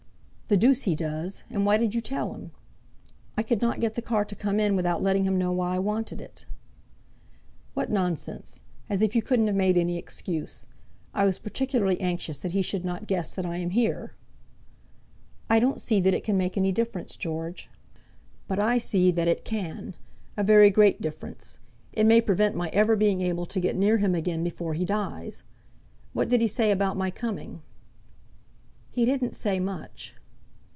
"The deuce he does! and why did you tell him?" "I could not get the car to come in without letting him know why I wanted it." "What nonsense! as if you couldn't have made any excuse! I was particularly anxious that he should not guess that I am here." "I don't see that it can make any difference, George." "But I see that it can, a very great difference. It may prevent my ever being able to get near him again before he dies. What did he say about my coming?" "He didn't say much."